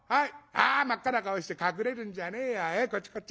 ああ真っ赤な顔して隠れるんじゃねえやこっちこっち。